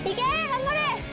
頑張れ！